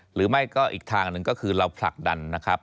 หรือไม่ก็อีกทางหนึ่งก็คือเราผลักดันนะครับ